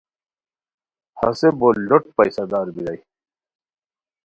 ہسے بولوٹ پیسہ دار بیرائے